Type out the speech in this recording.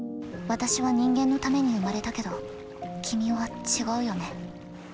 私は人間のために生まれたけど君は違うよね。